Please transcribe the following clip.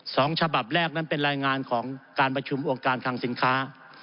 ฉบับแรกนั้นเป็นรายงานของการประชุมองค์การคังสินค้า